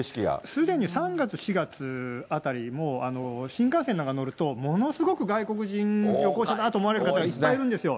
すでに３月、４月あたりも、新幹線なんか乗ると、ものすごく外国人旅行者だと思われる方がいっぱいいらっしゃるんですよ。